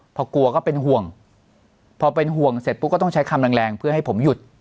พอกลัวก็เป็นห่วงพอเป็นห่วงเสร็จปุ๊บก็ต้องใช้คำแรงแรงเพื่อให้ผมหยุด